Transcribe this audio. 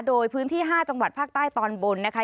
โดยพื้นที่๕จังหวัดภาคใต้ตอนบนนะคะ